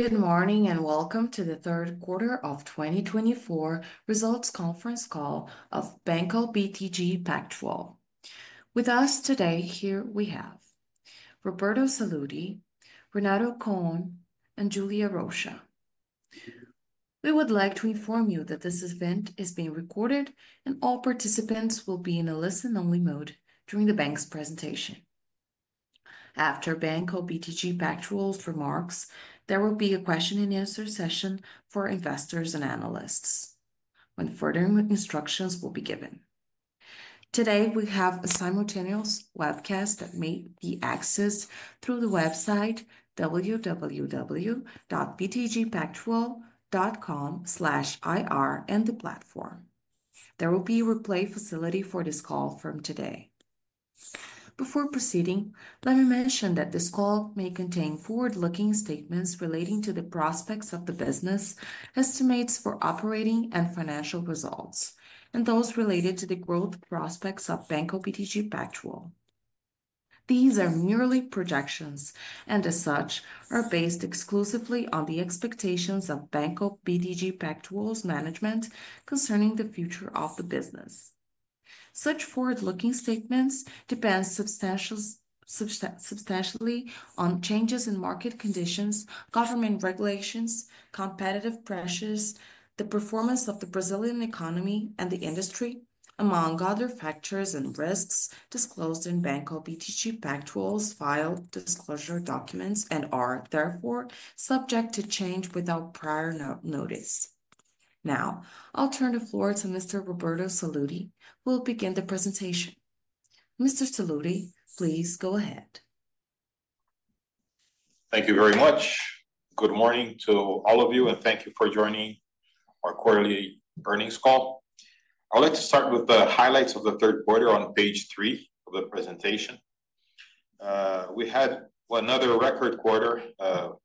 Good morning and welcome to the third quarter of 2024 results conference call of Banco BTG Pactual. With us today here we have Roberto Sallouti, Renato Cohn, and Juliana Rocha. We would like to inform you that this event is being recorded and all participants will be in a listen-only mode during the bank's presentation. After Banco BTG Pactual's remarks, there will be a question-and-answer session for investors and analysts when further instructions will be given. Today we have a simultaneous webcast that may be accessed through the website www.btgpactual.com/ir and the platform. There will be a replay facility for this call from today. Before proceeding, let me mention that this call may contain forward-looking statements relating to the prospects of the business, estimates for operating and financial results, and those related to the growth prospects of Banco BTG Pactual. These are merely projections and, as such, are based exclusively on the expectations of Banco BTG Pactual's management concerning the future of the business. Such forward-looking statements depend substantially on changes in market conditions, government regulations, competitive pressures, the performance of the Brazilian economy and the industry, among other factors and risks disclosed in Banco BTG Pactual's filed disclosure documents and are, therefore, subject to change without prior notice. Now I'll turn the floor to Mr. Roberto Sallouti, who will begin the presentation. Mr. Sallouti, please go ahead. Thank you very much. Good morning to all of you and thank you for joining our quarterly earnings call. I'd like to start with the highlights of the third quarter on page three of the presentation. We had another record quarter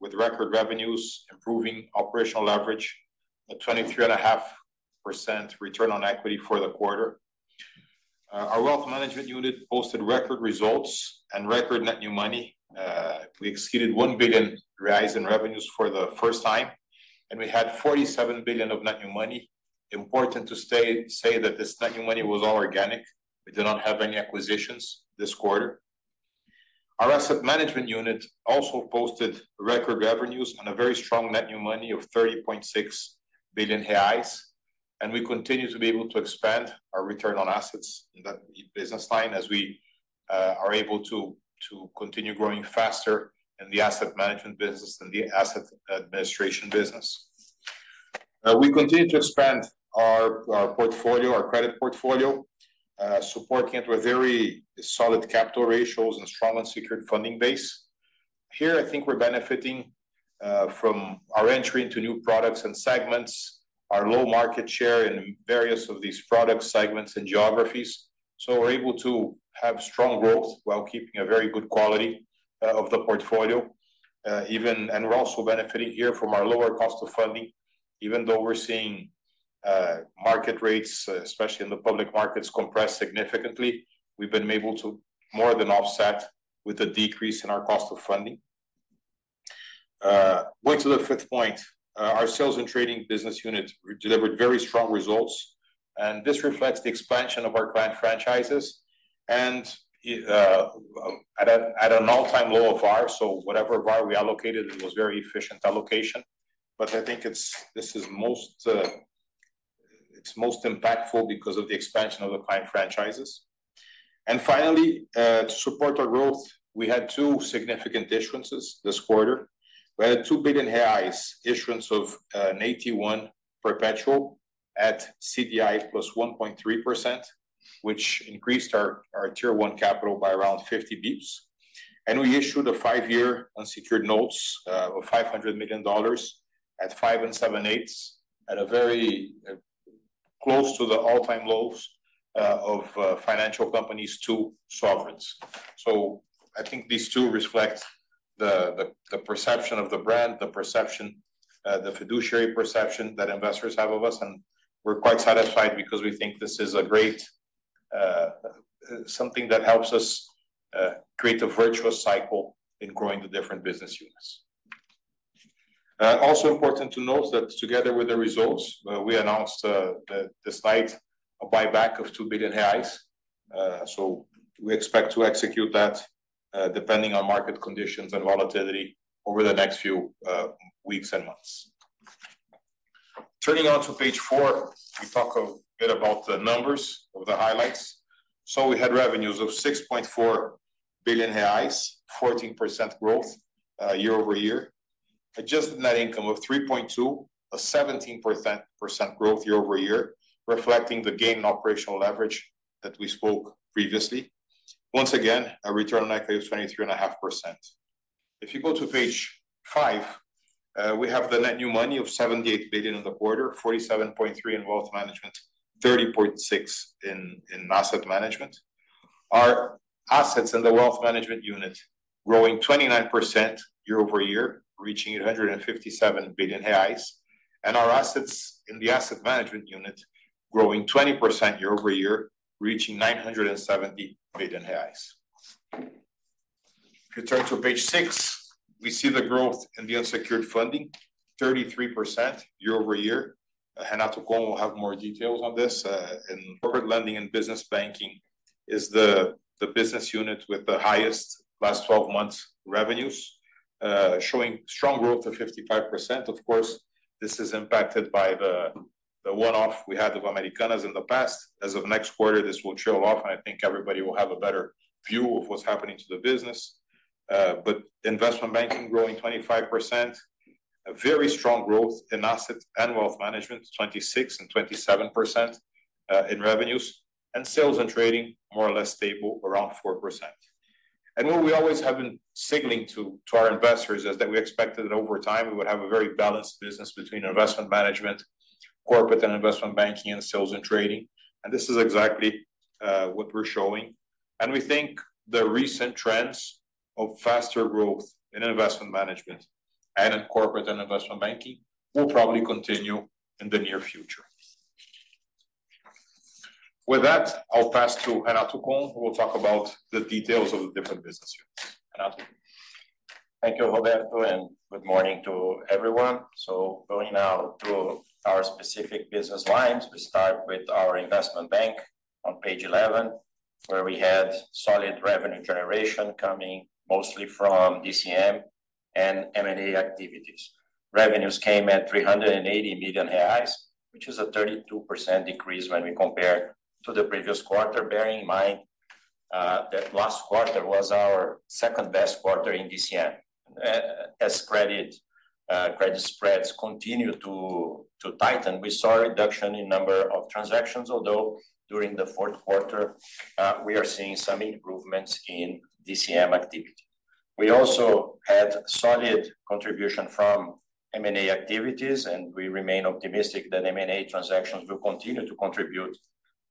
with record revenues improving operational leverage, a 23.5% return on equity for the quarter. Our wealth management unit posted record results and record net new money. We exceeded 1 billion in revenues for the first time, and we had 47 billion of net new money. Important to say that this net new money was all organic. We did not have any acquisitions this quarter. Our asset management unit also posted record revenues and a very strong net new money of 30.6 billion reais. We continue to be able to expand our return on assets in that business line as we are able to continue growing faster in the asset management business and the asset administration business. We continue to expand our portfolio, our credit portfolio, supporting it with very solid capital ratios and a strong unsecured funding base. Here, I think we're benefiting from our entry into new products and segments, our low market share in various of these product segments and geographies. So we're able to have strong growth while keeping a very good quality of the portfolio. And we're also benefiting here from our lower cost of funding. Even though we're seeing market rates, especially in the public markets, compress significantly, we've been able to more than offset with a decrease in our cost of funding. Going to the fifth point, our Sales and Trading business unit delivered very strong results, and this reflects the expansion of our client franchises and at an all-time low of RWA, so whatever RWA we allocated, it was a very efficient allocation. But I think this is most impactful because of the expansion of the client franchises. Finally, to support our growth, we had two significant issuances this quarter. We had a 2 billion reais issuance of an AT1 perpetual at CDI plus 1.3%, which increased our Tier 1 capital by around 50 basis points. And we issued a 5-year unsecured notes of $500 million at 5.875%, at very close to the all-time lows of financial companies to sovereigns. So I think these two reflect the perception of the brand, the perception, the fiduciary perception that investors have of us. We're quite satisfied because we think this is a great something that helps us create a virtuous cycle in growing the different business units. Also important to note that together with the results, we announced the share buyback of 2 billion reais. We expect to execute that depending on market conditions and volatility over the next few weeks and months. Turning to page four, we talk a bit about the numbers and the highlights. We had revenues of 6.4 billion reais, 14% growth year over year, adjusted net income of 3.2 billion, a 17% growth year over year, reflecting the gain in operational leverage that we spoke previously. Once again, a return on equity of 23.5%. If you go to page five, we have the net new money of 78 billion in the quarter, 47.3 billion in wealth management, 30.6 billion in asset management. Our assets in the Wealth Management unit growing 29% year over year, reaching 157 billion reais, and our assets in the Asset Management unit growing 20% year over year, reaching 970 billion. If you turn to page six, we see the growth in the unsecured funding, 33% year over year. Renato Cohn will have more details on this. In Corporate Lending and Business Banking, it's the business unit with the highest last 12 months revenues, showing strong growth of 55%. Of course, this is impacted by the one-off we had with Americanas in the past. As of next quarter, this will cool off, and I think everybody will have a better view of what's happening to the business. But Investment Banking growing 25%, very strong growth in Asset and Wealth Management, 26 and 27% in revenues, and Sales and Trading more or less stable around 4%. What we always have been signaling to our investors is that we expected that over time we would have a very balanced business between investment management, corporate and investment banking, and sales and trading. This is exactly what we're showing. We think the recent trends of faster growth in investment management and in corporate and investment banking will probably continue in the near future. With that, I'll pass to Renato Cohn. We'll talk about the details of the different business units. Thank you, Roberto, and good morning to everyone. So going now to our specific business lines, we start with our investment bank on page 11, where we had solid revenue generation coming mostly from DCM and M&A activities. Revenues came at 380 million reais, which is a 32% decrease when we compare to the previous quarter, bearing in mind that last quarter was our second best quarter in DCM. As credit spreads continue to tighten, we saw a reduction in the number of transactions, although during the fourth quarter, we are seeing some improvements in DCM activity. We also had solid contribution from M&A activities, and we remain optimistic that M&A transactions will continue to contribute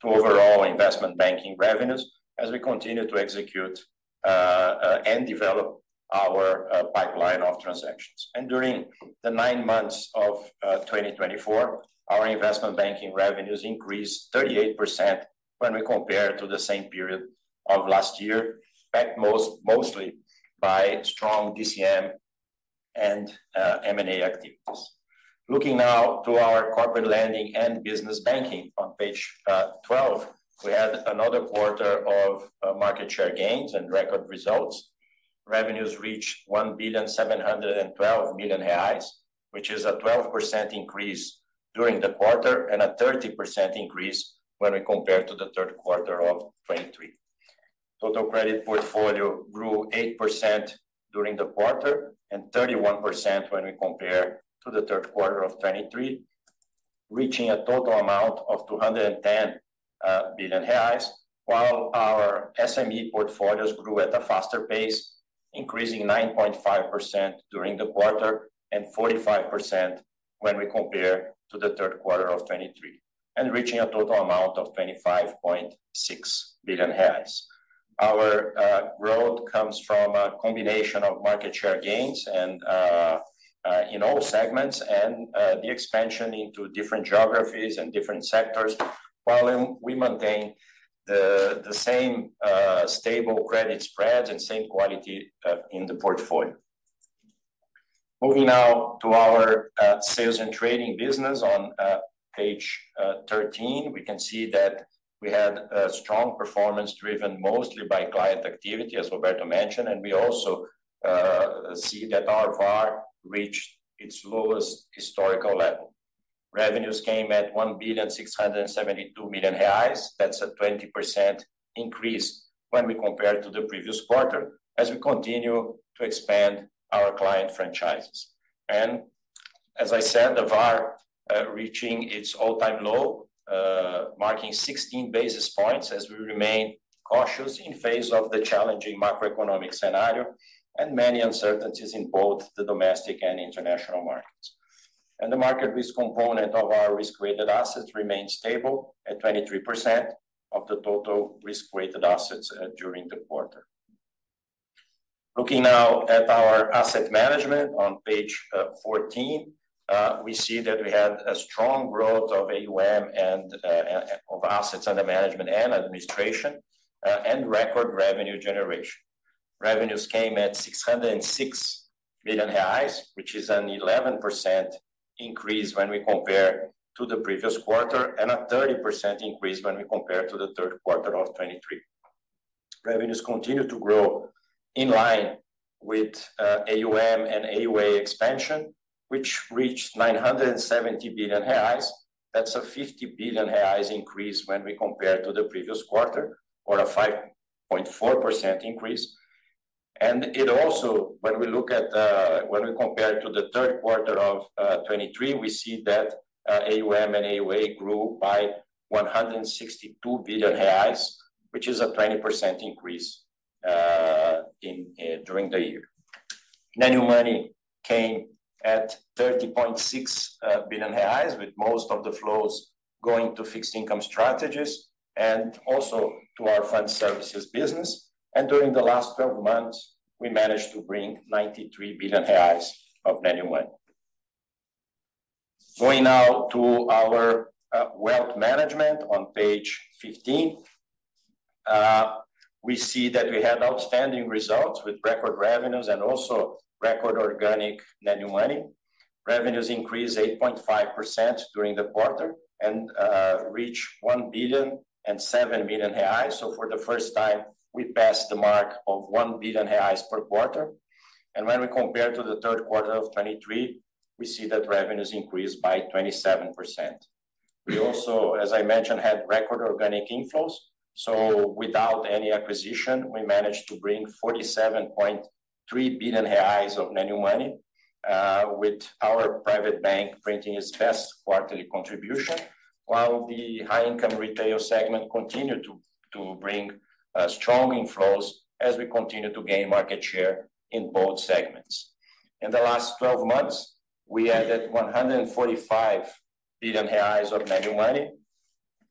to overall investment banking revenues as we continue to execute and develop our pipeline of transactions. During the nine months of 2024, our investment banking revenues increased 38% when we compare to the same period of last year, backed mostly by strong DCM and M&A activities. Looking now to our corporate lending and business banking on page 12, we had another quarter of market share gains and record results. Revenues reached 1.712 billion, which is a 12% increase during the quarter and a 30% increase when we compare to the third quarter of 2023. Total credit portfolio grew 8% during the quarter and 31% when we compare to the third quarter of 2023, reaching a total amount of 210 billion reais, while our SME portfolios grew at a faster pace, increasing 9.5% during the quarter and 45% when we compare to the third quarter of 2023, and reaching a total amount of 25.6 billion reais. Our growth comes from a combination of market share gains in all segments and the expansion into different geographies and different sectors, while we maintain the same stable credit spreads and same quality in the portfolio. Moving now to our sales and trading business on page 13, we can see that we had a strong performance driven mostly by client activity, as Roberto mentioned, and we also see that our VaR reached its lowest historical level. Revenues came at 1.672 billion. That's a 20% increase when we compare to the previous quarter as we continue to expand our client franchises, and as I said, the VaR reaching its all-time low, marking 16 basis points as we remain cautious in face of the challenging macroeconomic scenario and many uncertainties in both the domestic and international markets. And the market risk component of our risk-weighted assets remained stable at 23% of the total risk-weighted assets during the quarter. Looking now at our asset management on page 14, we see that we had a strong growth of AUM and of assets under management and administration and record revenue generation. Revenues came at 606 million reais, which is an 11% increase when we compare to the previous quarter and a 30% increase when we compare to the third quarter of 2023. Revenues continued to grow in line with AUM and AUA expansion, which reached 970 billion reais. That's a 50 billion reais increase when we compare to the previous quarter, or a 5.4% increase. And it also, when we look at, when we compare to the third quarter of 2023, we see that AUM and AUA grew by 162 billion reais, which is a 20% increase during the year. Net new money came at 30.6 billion reais, with most of the flows going to fixed income strategies and also to our fund services business. And during the last 12 months, we managed to bring 93 billion reais of net new money. Going now to our Wealth Management on page 15, we see that we had outstanding results with record revenues and also record organic net new money. Revenues increased 8.5% during the quarter and reached 1 billion and 7 million reais. So for the first time, we passed the mark of 1 billion reais per quarter. And when we compare to the third quarter of 2023, we see that revenues increased by 27%. We also, as I mentioned, had record organic inflows. Without any acquisition, we managed to bring 47.3 billion reais of net new money, with our private bank printing its best quarterly contribution, while the high-income retail segment continued to bring strong inflows as we continue to gain market share in both segments. In the last 12 months, we added 145 billion reais of net new money,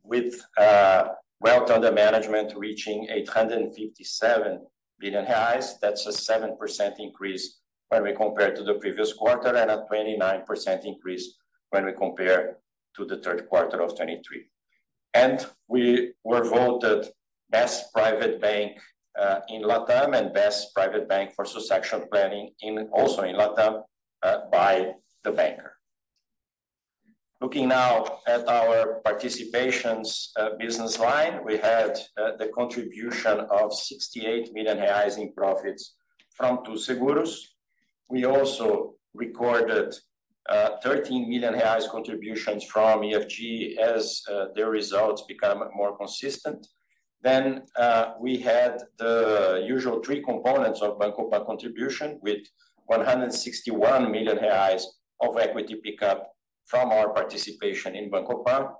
with wealth under management reaching 857 billion. That's a 7% increase when we compare to the previous quarter and a 29% increase when we compare to the third quarter of 2023. We were voted best private bank in LATAM and best private bank for succession planning also in LATAM by The Banker. Looking now at our participations business line, we had the contribution of 68 million reais in profits from Too Seguros. We also recorded 13 million reais contributions from EFG as their results became more consistent. Then we had the usual three components of Bancopa contribution with 161 million reais of equity pickup from our participation in Bancopa.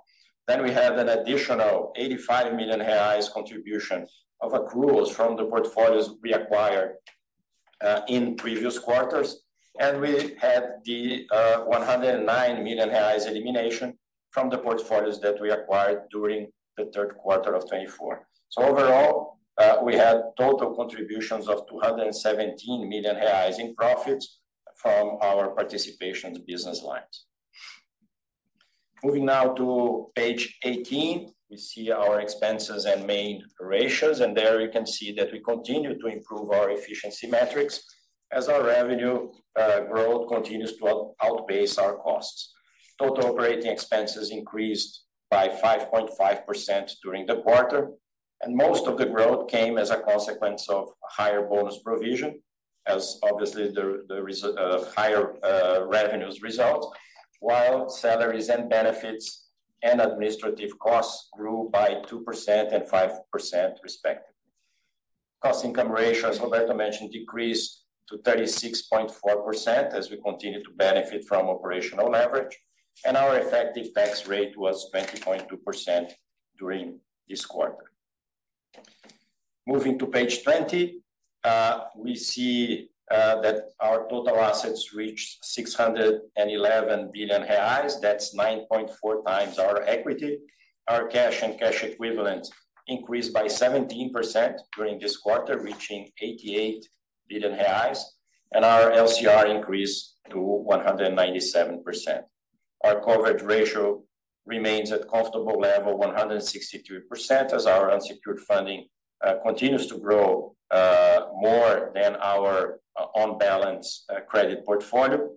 Then we had an additional 85 million reais contribution of accruals from the portfolios we acquired in previous quarters. And we had the 109 million reais elimination from the portfolios that we acquired during the third quarter of 2024. So overall, we had total contributions of 217 million reais in profits from our participations business lines. Moving now to page 18, we see our expenses and main ratios. And there you can see that we continue to improve our efficiency metrics as our revenue growth continues to outpace our costs. Total operating expenses increased by 5.5% during the quarter. Most of the growth came as a consequence of higher bonus provision, as obviously the higher revenues result, while salaries and benefits and administrative costs grew by 2% and 5% respectively. Cost-to-income ratios, Roberto mentioned, decreased to 36.4% as we continue to benefit from operational leverage. Our effective tax rate was 20.2% during this quarter. Moving to page 20, we see that our total assets reached 611 billion reais. That's 9.4 times our equity. Our cash and cash equivalents increased by 17% during this quarter, reaching 88 billion reais. Our LCR increased to 197%. Our coverage ratio remains at a comfortable level, 163%, as our unsecured funding continues to grow more than our on-balance credit portfolio.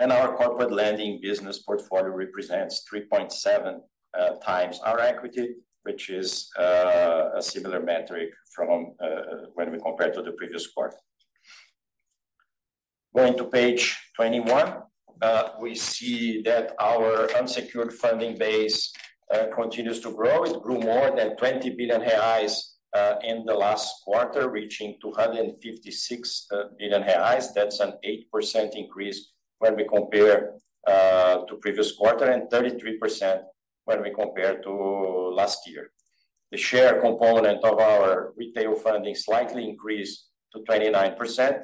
Our corporate lending business portfolio represents 3.7 times our equity, which is a similar metric from when we compare to the previous quarter. Going to page 21, we see that our unsecured funding base continues to grow. It grew more than 20 billion reais in the last quarter, reaching 256 billion reais. That's an 8% increase when we compare to the previous quarter and 33% when we compare to last year. The share component of our retail funding slightly increased to 29%,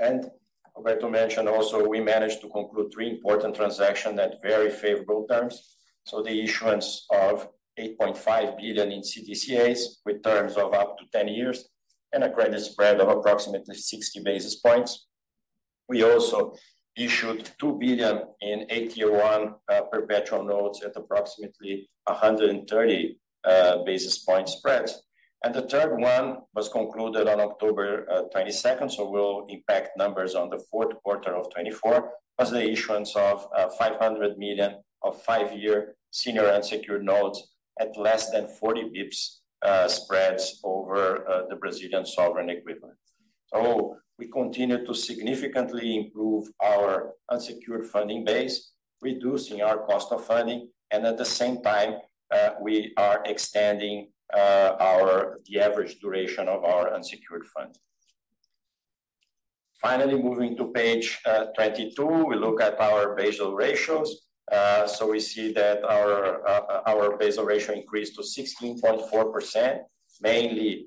and Roberto mentioned also we managed to conclude three important transactions at very favorable terms, so the issuance of 8.5 billion in CDCAs with terms of up to 10 years and a credit spread of approximately 60 basis points. We also issued 2 billion in AT1 perpetual notes at approximately 130 basis points. The third one was concluded on October 22nd, so we'll impact numbers on the fourth quarter of 2024. It was the issuance of $500 million of five-year senior unsecured notes at less than 40 basis points spreads over the Brazilian sovereign equivalent. So we continue to significantly improve our unsecured funding base, reducing our cost of funding. And at the same time, we are extending the average duration of our unsecured funding. Finally, moving to page 22, we look at our Basel ratios. So we see that our Basel ratio increased to 16.4%, mainly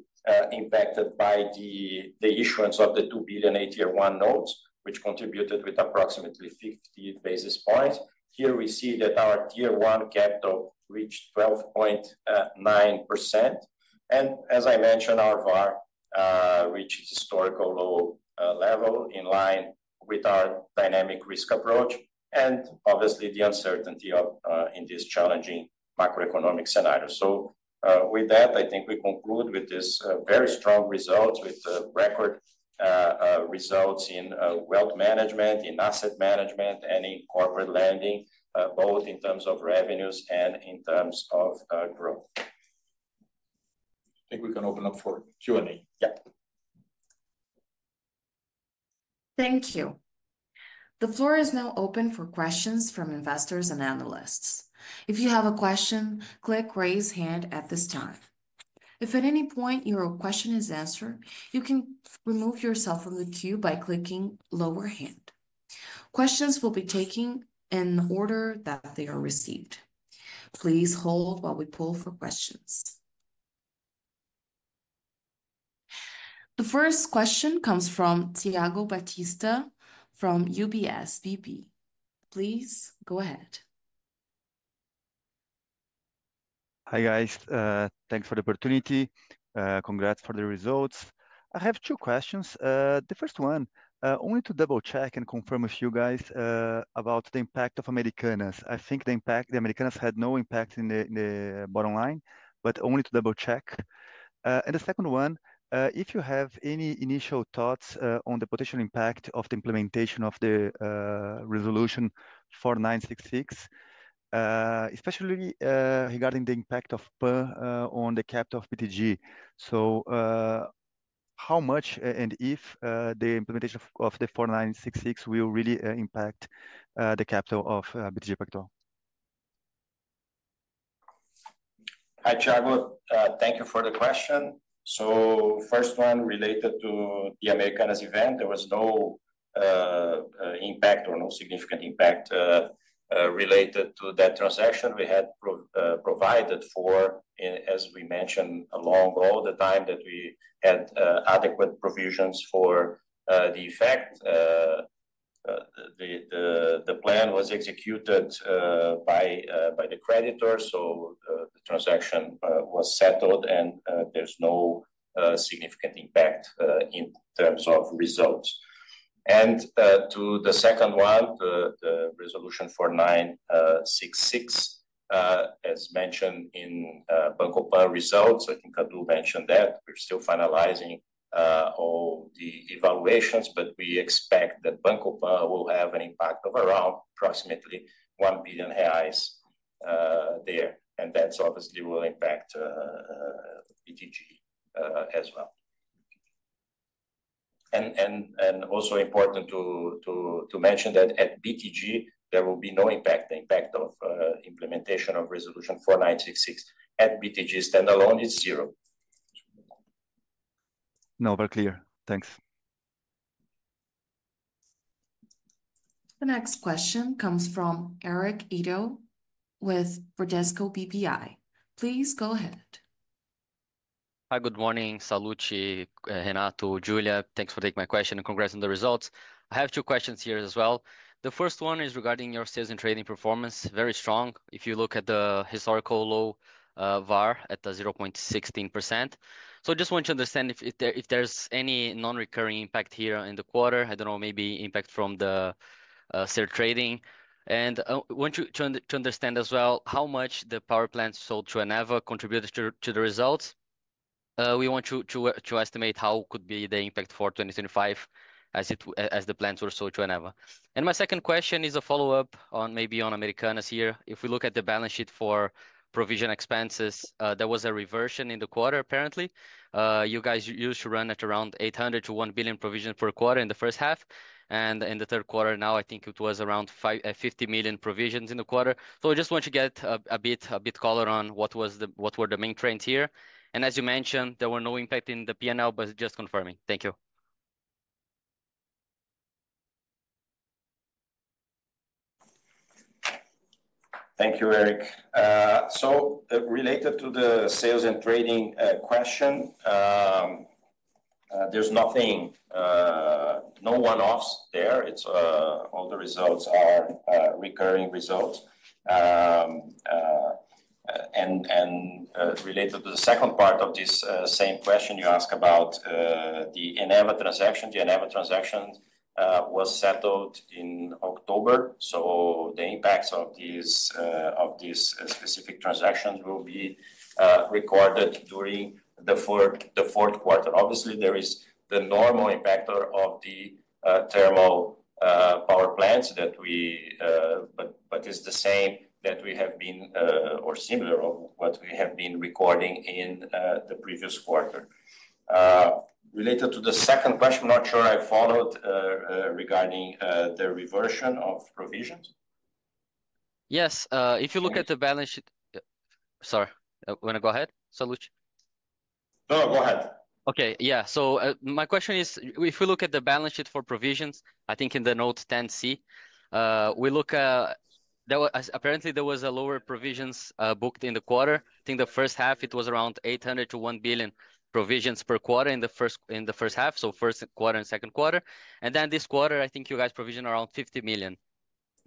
impacted by the issuance of the $2 billion AT1 notes, which contributed with approximately 50 basis points. Here we see that our tier one capital reached 12.9%. And as I mentioned, our VaR reached historical low level in line with our dynamic risk approach and obviously the uncertainty in this challenging macroeconomic scenario. So with that, I think we conclude with this very strong result, with record results in wealth management, in asset management, and in corporate lending, both in terms of revenues and in terms of growth. I think we can open up for Q&A. Yep. Thank you. The floor is now open for questions from investors and analysts. If you have a question, click raise hand at this time. If at any point your question is answered, you can remove yourself from the queue by clicking lower hand. Questions will be taken in the order that they are received. Please hold while we pull for questions. The first question comes from Thiago Batista from UBS BB. Please go ahead. Hi guys. Thanks for the opportunity. Congrats for the results. I have two questions. The first one, only to double-check and confirm with you guys about the impact of Americanas. I think the Americanas had no impact in the bottom line, but only to double-check. And the second one, if you have any initial thoughts on the potential impact of the implementation of the Resolution 4966, especially regarding the impact of PAN on the capital of BTG. So how much and if the implementation of the 4966 will really impact the capital of BTG Pactual? Hi, Thiago. Thank you for the question. So first one related to the Americanas event, there was no impact or no significant impact related to that transaction we had provided for, as we mentioned, along all the time that we had adequate provisions for the effect. The plan was executed by the creditor, so the transaction was settled and there's no significant impact in terms of results. And to the second one, the Resolution 4966, as mentioned in Bancopa results, I think I do mention that we're still finalizing all the evaluations, but we expect that Bancopa will have an impact of around approximately 1 billion reais there. And that's obviously will impact BTG as well. And also important to mention that at BTG, there will be no impact. The impact of implementation of Resolution 4966 at BTG standalone is zero. No, but clear. Thanks. The next question comes from Eric Ito with Bradesco BBI. Please go ahead. Hi, good morning. Sallouti, Renato, Juliana, thanks for taking my question and congrats on the results. I have two questions here as well. The first one is regarding your sales and trading performance. Very strong if you look at the historical low VaR at 0.16%. So I just want to understand if there's any non-recurring impact here in the quarter. I don't know, maybe impact from the share trading. And I want to understand as well how much the power plants sold to Eneva contributed to the results. We want to estimate how could be the impact for 2025 as the plants were sold to Eneva. And my second question is a follow-up on maybe on Americanas here. If we look at the balance sheet for provision expenses, there was a reversion in the quarter apparently. You guys used to run at around 800 million-1 billion provisions per quarter in the first half. And in the third quarter now, I think it was around 50 million provisions in the quarter. So I just want to get a bit of color on what were the main trends here. And as you mentioned, there were no impact in the P&L, but just confirming. Thank you. Thank you, Eric. Related to the sales and trading question, there's no one-offs there. All the results are recurring results, and related to the second part of this same question, you ask about the Eneva transaction. The Eneva transaction was settled in October. The impacts of this specific transaction will be recorded during the fourth quarter. Obviously, there is the normal impact of the thermal power plants that we, but it's the same that we have been or similar of what we have been recording in the previous quarter. Related to the second question, I'm not sure I followed regarding the reversion of provisions. Yes. If you look at the balance sheet, sorry. Want to go ahead, Sallouti? No, go ahead. Okay. Yeah. So my question is, if we look at the balance sheet for provisions, I think in the note 10C, we look at apparently there was a lower provisions booked in the quarter. I think the first half, it was around 800 to 1 billion provisions per quarter in the first half, so first quarter and second quarter. And then this quarter, I think you guys provisioned around 50 million.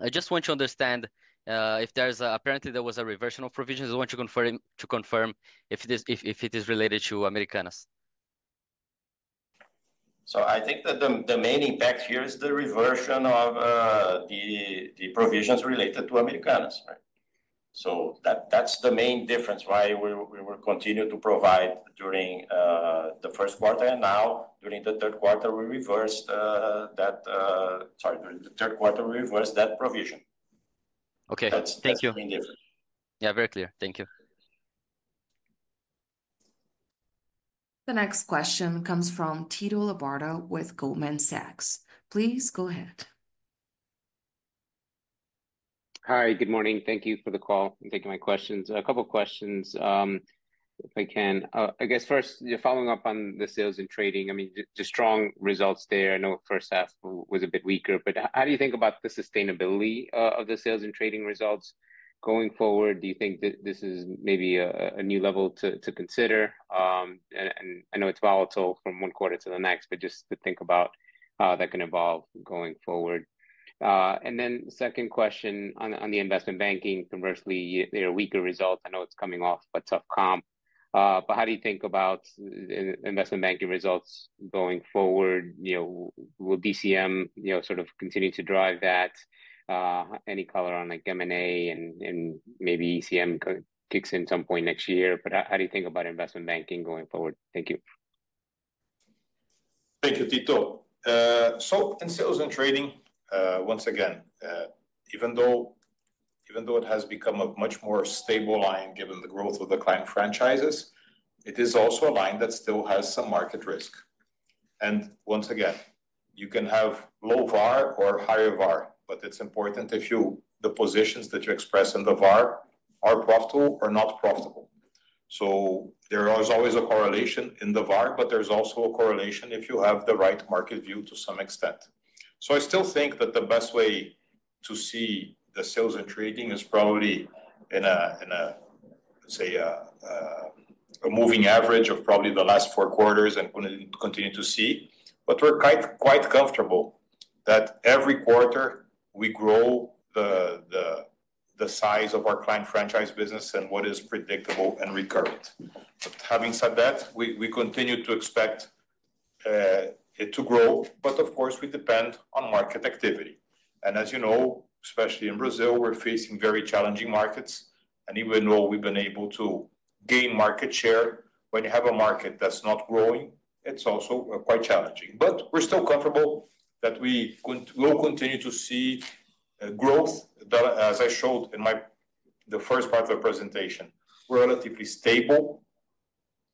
I just want to understand if there apparently was a reversion of provisions. I want you to confirm if it is related to Americanas. I think that the main impact here is the reversion of the provisions related to Americanas. That's the main difference why we will continue to provide during the first quarter. Now during the third quarter, we reversed that. Sorry, during the third quarter, we reversed that provision. Okay. Thank you. That's the main difference. Yeah, very clear. Thank you. The next question comes from Tito Labarta with Goldman Sachs. Please go ahead. Hi, good morning. Thank you for the call. I'm taking my questions. A couple of questions, if I can. I guess first, following up on the sales and trading, I mean, the strong results there. I know first half was a bit weaker, but how do you think about the sustainability of the sales and trading results going forward? Do you think that this is maybe a new level to consider? And I know it's volatile from one quarter to the next, but just to think about that can evolve going forward. And then second question on the investment banking, conversely, they're weaker results. I know it's coming off, but tough comp. But how do you think about investment banking results going forward? Will DCM sort of continue to drive that? Any color on M&A and maybe ECM kicks in some point next year? But how do you think about investment banking going forward? Thank you. Thank you, Tito. So in Sales and Trading, once again, even though it has become a much more stable line given the growth of the client franchises, it is also a line that still has some market risk. And once again, you can have low VaR or higher VaR, but it's important if the positions that you express in the VaR are profitable or not profitable. So there is always a correlation in the VaR, but there's also a correlation if you have the right market view to some extent. So I still think that the best way to see the Sales and Trading is probably in a, let's say, a moving average of probably the last four quarters and continue to see. But we're quite comfortable that every quarter we grow the size of our client franchise business and what is predictable and recurrent. But having said that, we continue to expect it to grow, but of course, we depend on market activity. And as you know, especially in Brazil, we're facing very challenging markets. And even though we've been able to gain market share, when you have a market that's not growing, it's also quite challenging. But we're still comfortable that we will continue to see growth, as I showed in the first part of the presentation, relatively stable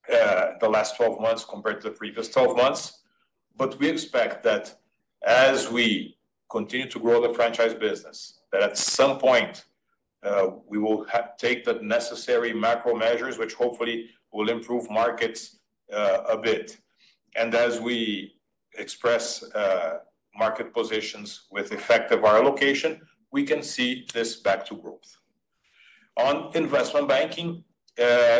the last 12 months compared to the previous 12 months. But we expect that as we continue to grow the franchise business, that at some point we will take the necessary macro measures, which hopefully will improve markets a bit. And as we express market positions with effective VaR allocation, we can see this back to growth. On investment banking,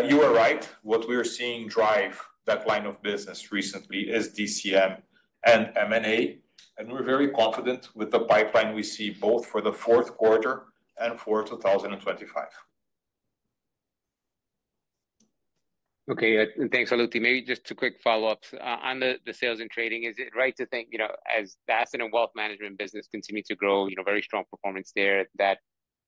you are right. What we are seeing drive that line of business recently is DCM and M&A. And we're very confident with the pipeline we see both for the fourth quarter and for 2025. Okay. And thanks, Sallouti. Maybe just two quick follow-ups. On the sales and trading, is it right to think as that's in a wealth management business continuing to grow, very strong performance there that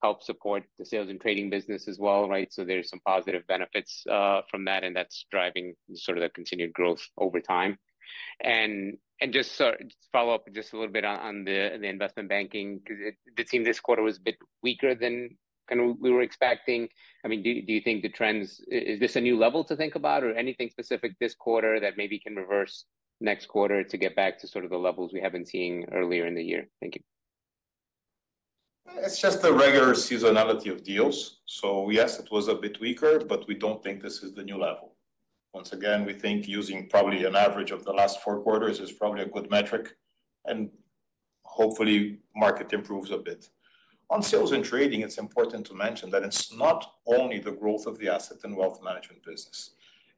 helps support the sales and trading business as well, right? So there's some positive benefits from that, and that's driving sort of the continued growth over time. And just follow up just a little bit on the investment banking, because it seemed this quarter was a bit weaker than we were expecting. I mean, do you think the trends, is this a new level to think about or anything specific this quarter that maybe can reverse next quarter to get back to sort of the levels we have been seeing earlier in the year? Thank you. It's just the regular seasonality of deals. So yes, it was a bit weaker, but we don't think this is the new level. Once again, we think using probably an average of the last four quarters is probably a good metric, and hopefully market improves a bit. On Sales and Trading, it's important to mention that it's not only the growth of the Asset and Wealth Management business.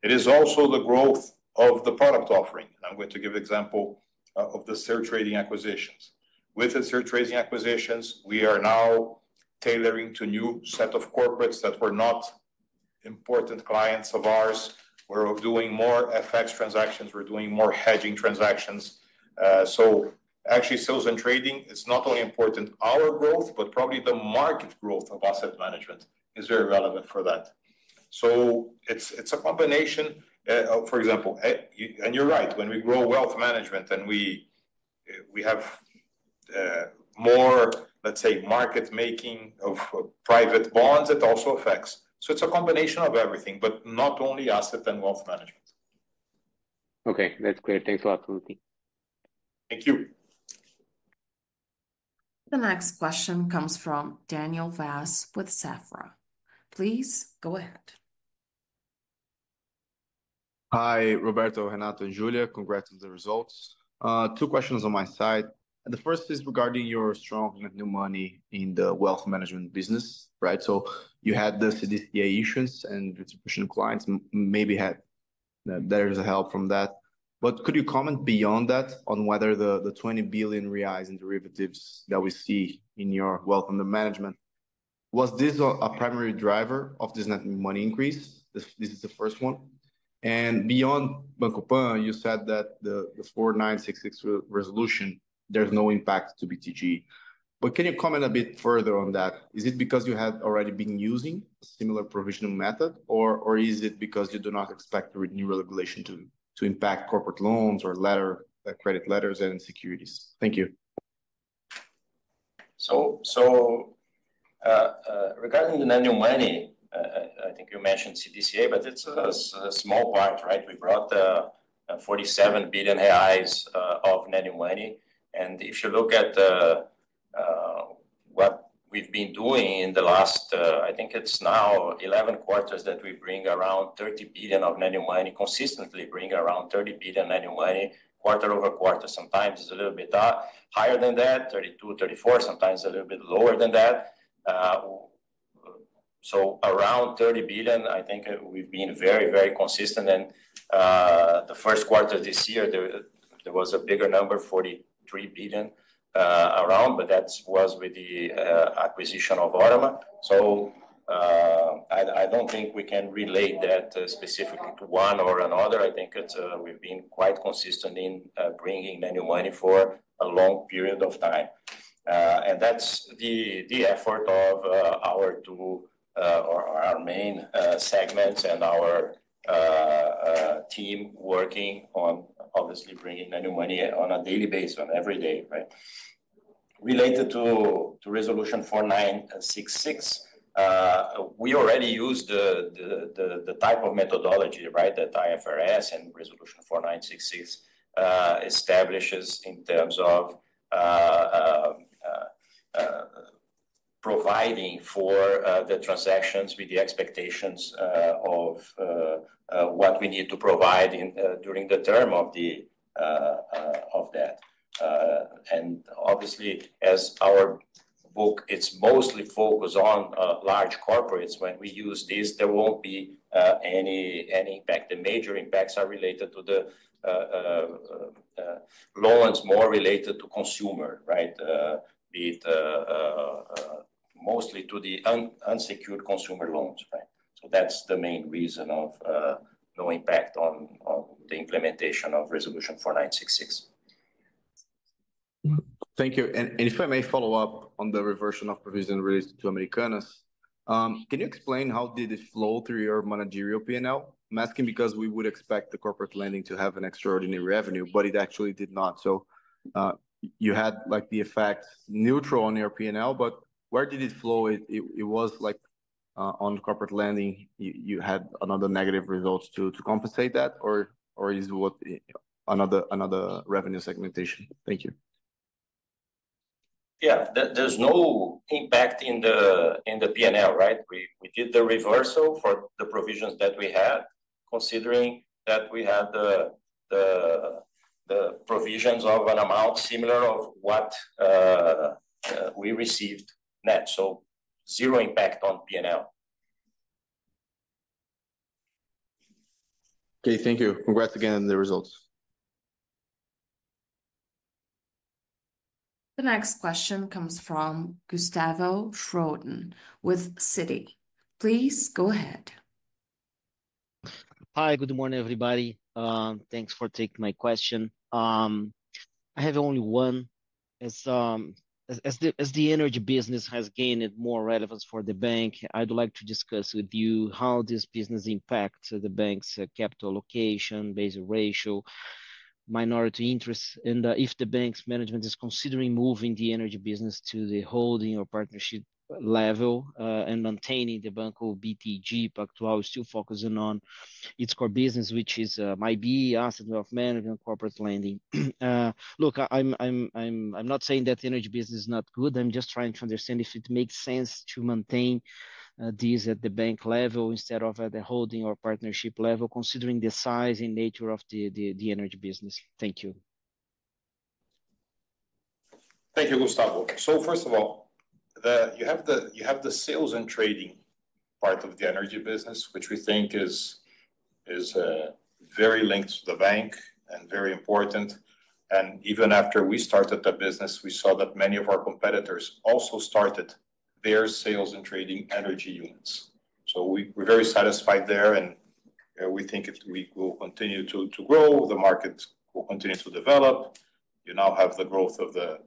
It is also the growth of the product offering. And I'm going to give an example of the Sertrading acquisitions. With the Sertrading acquisitions, we are now tailoring to a new set of corporates that were not important clients of ours. We're doing more FX transactions. We're doing more hedging transactions. So actually, Sales and Trading, it's not only important our growth, but probably the market growth of Asset Management is very relevant for that. So it's a combination, for example, and you're right, when we grow wealth management and we have more, let's say, market making of private bonds, it also affects. So it's a combination of everything, but not only asset and wealth management. Okay. That's clear. Thanks a lot, Sallouti. Thank you. The next question comes from Daniel Vaz with Safra. Please go ahead. Hi, Roberto, Renato, and Juliana. Congrats on the results. Two questions on my side. The first is regarding your strong new money in the wealth management business, right? So you had the CDCA issues and distribution clients maybe had better help from that. But could you comment beyond that on whether the 20 billion reais in derivatives that we see in your wealth under management was this a primary driver of this net money increase? This is the first one, and beyond Banco PAN, you said that the 4966 resolution, there's no impact to BTG. But can you comment a bit further on that? Is it because you had already been using a similar provisional method, or is it because you do not expect new regulation to impact corporate loans or credit letters and securities? Thank you. Regarding the net new money, I think you mentioned CDCA, but it's a small part, right? We brought 47 billion reais of net new money. And if you look at what we've been doing in the last, I think it's now 11 quarters that we bring around 30 billion of net new money, consistently bring around 30 billion net new money, quarter over quarter. Sometimes it's a little bit higher than that, 32, 34, sometimes a little bit lower than that. So around 30 billion, I think we've been very, very consistent. And the first quarter this year, there was a bigger number, around 43 billion, but that was with the acquisition of Órama. So I don't think we can relate that specifically to one or another. I think we've been quite consistent in bringing net new money for a long period of time. And that's the effort of our two or our main segments and our team working on obviously bringing net new money on a daily basis, on every day, right? Related to Resolution 4966, we already use the type of methodology, right, that IFRS and Resolution 4966 establishes in terms of providing for the transactions with the expectations of what we need to provide during the term of that. And obviously, as our book, it's mostly focused on large corporates. When we use this, there won't be any impact. The major impacts are related to the loans, more related to consumer, right, mostly to the unsecured consumer loans, right? So that's the main reason of no impact on the implementation of Resolution 4966. Thank you, and if I may follow up on the reversion of provision related to Americanas, can you explain how did it flow through your managerial P&L? I'm asking because we would expect the corporate lending to have an extraordinary revenue, but it actually did not, so you had the effect neutral on your P&L, but where did it flow? It was like on corporate lending, you had another negative result to compensate that, or is it another revenue segmentation? Thank you. Yeah. There's no impact in the P&L, right? We did the reversal for the provisions that we had, considering that we had the provisions of an amount similar to what we received net. So zero impact on P&L. Okay. Thank you. Congrats again on the results. The next question comes from Gustavo Schroden with Citi. Please go ahead. Hi, good morning, everybody. Thanks for taking my question. I have only one. As the energy business has gained more relevance for the bank, I'd like to discuss with you how this business impacts the bank's capital allocation, Basel ratio, minority interests, and if the bank's management is considering moving the energy business to the holding or partnership level and maintaining the Banco BTG Pactual is still focusing on its core business, which is IB, asset wealth management, corporate lending. Look, I'm not saying that the energy business is not good. I'm just trying to understand if it makes sense to maintain this at the bank level instead of at the holding or partnership level, considering the size and nature of the energy business. Thank you. Thank you, Gustavo. So first of all, you have the Sales and Trading part of the energy business, which we think is very linked to the bank and very important. And even after we started the business, we saw that many of our competitors also started their sales and trading energy units. So we're very satisfied there, and we think we will continue to grow. The market will continue to develop. You now have the growth of the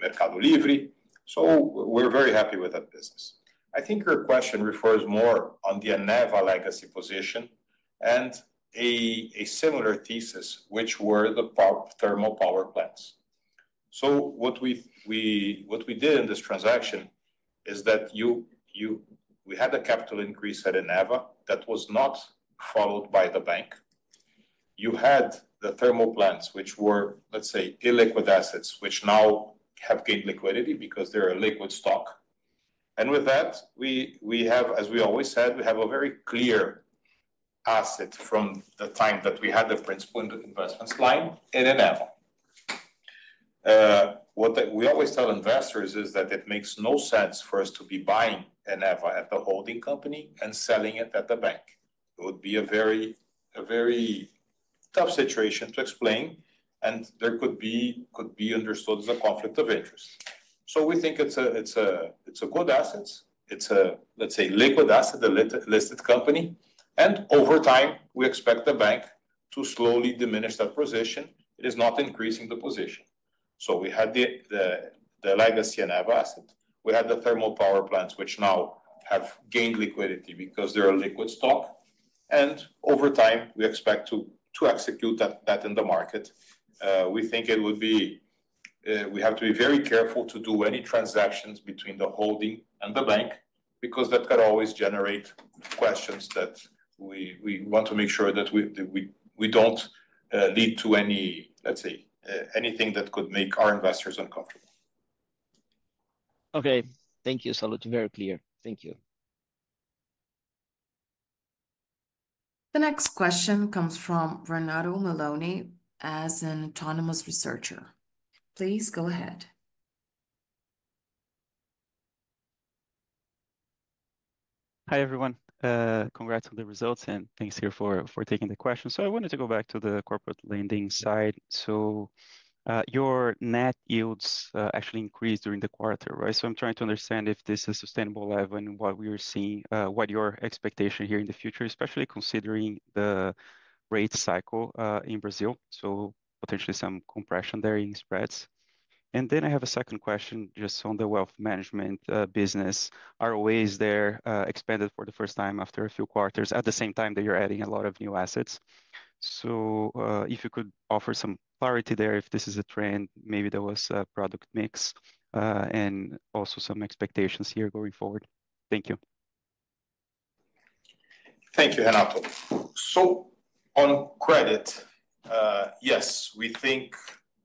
Mercado Livre. So we're very happy with that business. I think your question refers more on the Eneva legacy position and a similar thesis, which were the thermal power plants. So what we did in this transaction is that we had a capital increase at Eneva that was not followed by the bank. You had the thermal plants, which were, let's say, illiquid assets, which now have gained liquidity because they're a liquid stock. And with that, as we always said, we have a very clear asset from the time that we had the principal investments line in Eneva. What we always tell investors is that it makes no sense for us to be buying Eneva at the holding company and selling it at the bank. It would be a very tough situation to explain, and there could be understood as a conflict of interest. So we think it's a good asset. It's a, let's say, liquid asset, a listed company. And over time, we expect the bank to slowly diminish that position. It is not increasing the position. So we had the legacy Eneva asset. We had the thermal power plants, which now have gained liquidity because they're a liquid stock. Over time, we expect to execute that in the market. We think we have to be very careful to do any transactions between the holding and the bank because that could always generate questions that we want to make sure that we don't lead to, let's say, anything that could make our investors uncomfortable. Okay. Thank you, Sallouti. Very clear. Thank you. The next question comes from Renato Meloni of Autonomous Research. Please go ahead. Hi, everyone. Congrats on the results, and thanks here for taking the question. So I wanted to go back to the corporate lending side. So your net yields actually increased during the quarter, right? So I'm trying to understand if this is a sustainable level and what we are seeing, what your expectation here in the future, especially considering the rate cycle in Brazil. So potentially some compression there in spreads. And then I have a second question just on the wealth management business. ROA is there expanded for the first time after a few quarters at the same time that you're adding a lot of new assets. So if you could offer some clarity there, if this is a trend, maybe there was a product mix and also some expectations here going forward. Thank you. Thank you, Renato. So on credit, yes, we think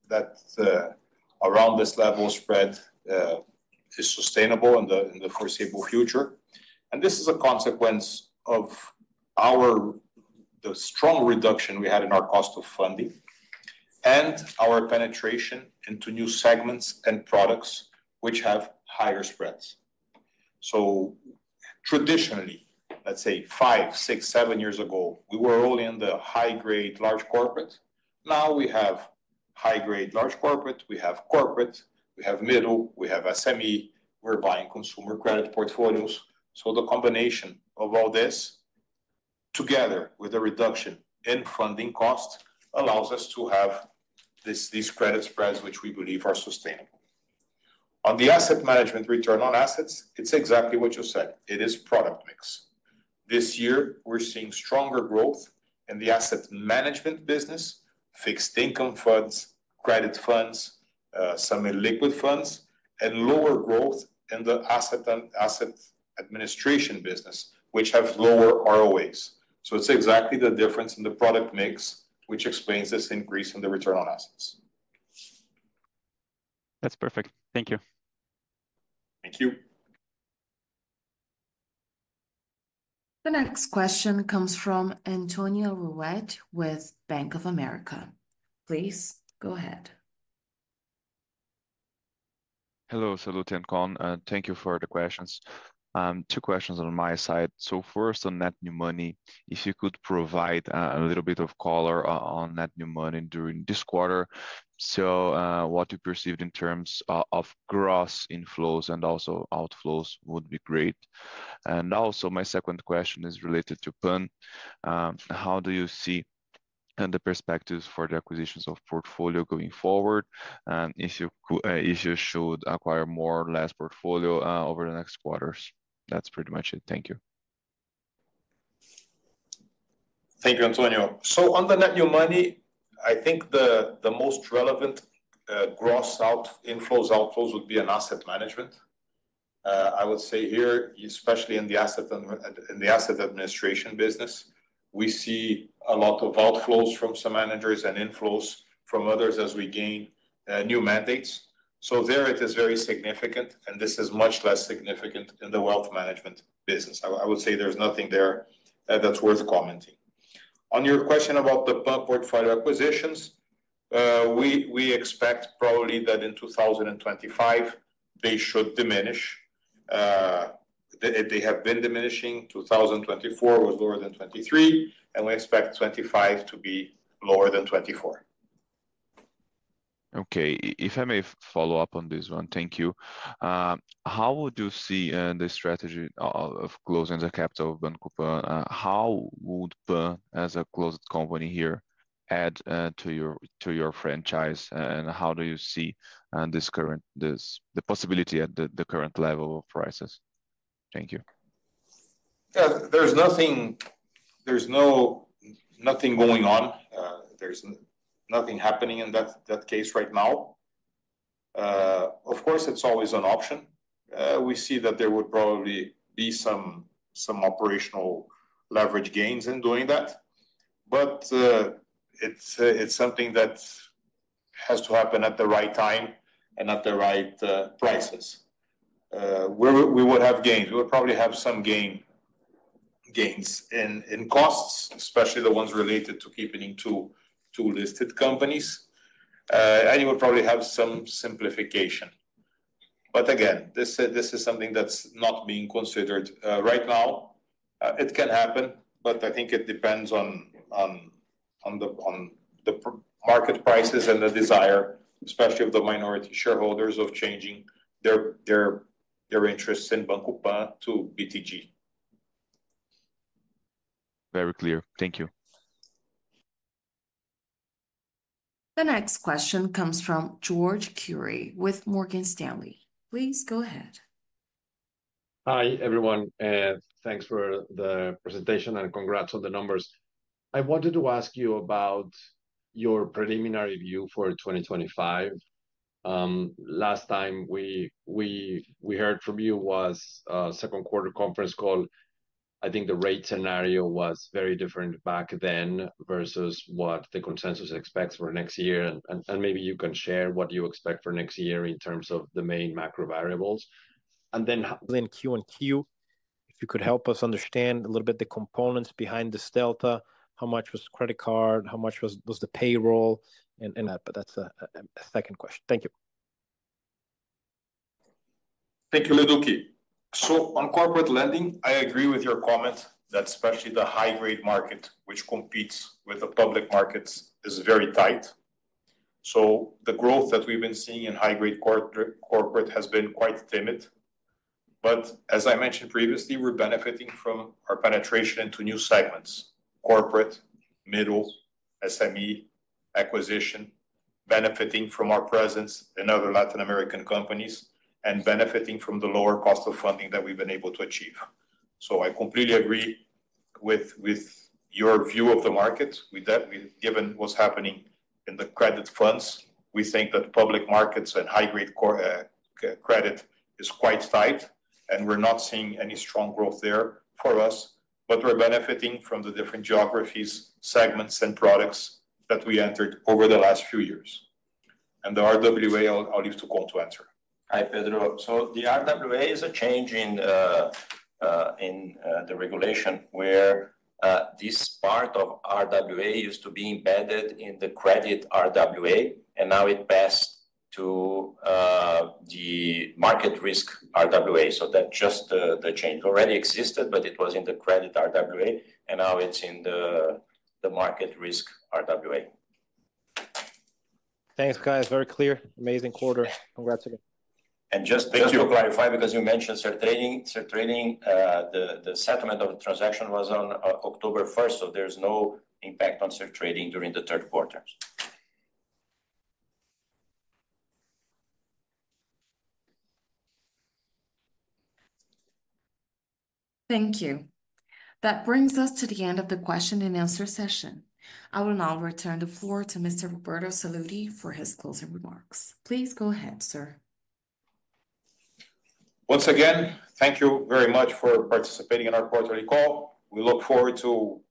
that around this level spread is sustainable in the foreseeable future, and this is a consequence of the strong reduction we had in our cost of funding and our penetration into new segments and products which have higher spreads, so traditionally, let's say five, six, seven years ago, we were only in the high-grade, large corporate. Now we have high-grade, large corporate. We have corporate. We have middle. We have SME. We're buying consumer credit portfolios, so the combination of all this together with the reduction in funding cost allows us to have these credit spreads, which we believe are sustainable. On the asset management return on assets, it's exactly what you said. It is product mix. This year, we're seeing stronger growth in the asset management business, fixed income funds, credit funds, semi-liquid funds, and lower growth in the asset administration business, which has lower ROAs, so it's exactly the difference in the product mix, which explains this increase in the return on assets. That's perfect. Thank you. Thank you. The next question comes from Antonio Ruette with Bank of America. Please go ahead. Hello, Sallouti and Cohn. Thank you for the questions. Two questions on my side. So first, on net new money, if you could provide a little bit of color on net new money during this quarter. So what you perceived in terms of gross inflows and also outflows would be great. And also, my second question is related to PAN. How do you see the perspectives for the acquisitions of portfolio going forward? If you should acquire more or less portfolio over the next quarters. That's pretty much it. Thank you. Thank you, Antonio. So on the net new money, I think the most relevant gross outflows would be in asset management. I would say here, especially in the asset administration business, we see a lot of outflows from some managers and inflows from others as we gain new mandates. So there, it is very significant, and this is much less significant in the wealth management business. I would say there's nothing there that's worth commenting. On your question about the PAN portfolio acquisitions, we expect probably that in 2025, they should diminish. They have been diminishing. 2024 was lower than 2023, and we expect 2025 to be lower than 2024. Okay. If I may follow up on this one, thank you. How would you see the strategy of closing the capital of Banco PAN, how would PAN as a closed company here add to your franchise, and how do you see the possibility at the current level of prices? Thank you. There's nothing going on. There's nothing happening in that case right now. Of course, it's always an option. We see that there would probably be some operational leverage gains in doing that, but it's something that has to happen at the right time and at the right prices. We would have gains. We would probably have some gains in costs, especially the ones related to keeping two listed companies, and you would probably have some simplification. But again, this is something that's not being considered right now. It can happen, but I think it depends on the market prices and the desire, especially of the minority shareholders, of changing their interests in Banco PAN to BTG. Very clear. Thank you. The next question comes from Jorge Kuri with Morgan Stanley. Please go ahead. Hi, everyone. Thanks for the presentation and congrats on the numbers. I wanted to ask you about your preliminary view for 2025. Last time we heard from you was a second-quarter conference call. I think the rate scenario was very different back then versus what the consensus expects for next year. And maybe you can share what you expect for next year in terms of the main macro variables. And then que-on-que, if you could help us understand a little bit the components behind this delta, how much was credit card, how much was the payroll. But that's a second question. Thank you. Thank you, Kuri. So on corporate lending, I agree with your comment that especially the high-grade market, which competes with the public markets, is very tight. So the growth that we've been seeing in high-grade corporate has been quite timid. But as I mentioned previously, we're benefiting from our penetration into new segments: corporate, middle, SME, acquisition, benefiting from our presence in other Latin American countries, and benefiting from the lower cost of funding that we've been able to achieve. So I completely agree with your view of the market. Given what's happening in the credit funds, we think that public markets and high-grade credit is quite tight, and we're not seeing any strong growth there for us, but we're benefiting from the different geographies, segments, and products that we entered over the last few years. And the RWA, I'll leave to Cohn to answer. Hi, Pedro. So the RWA is a change in the regulation where this part of RWA used to be embedded in the credit RWA, and now it passed to the market risk RWA. So that's just the change. It already existed, but it was in the credit RWA, and now it's in the market risk RWA. Thanks, guys. Very clear. Amazing quarter. Congrats again. Just to clarify, because you mentioned Sertrading, the settlement of the transaction was on October 1st, so there's no impact on Sertrading during the third quarter. Thank you. That brings us to the end of the question and answer session. I will now return the floor to Mr. Roberto Sallouti for his closing remarks. Please go ahead, sir. Once again, thank you very much for participating in our quarterly call. We look forward to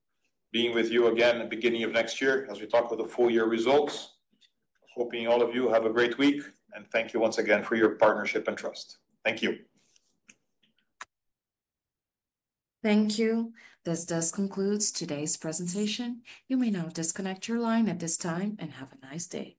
being with you again at the beginning of next year as we talk about the full-year results. Hoping all of you have a great week, and thank you once again for your partnership and trust. Thank you. Thank you. This does conclude today's presentation. You may now disconnect your line at this time and have a nice day.